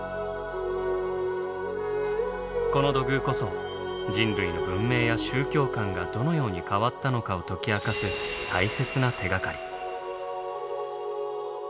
この土偶こそ人類の文明や宗教観がどのように変わったのかを解き明かす大切な手がかり。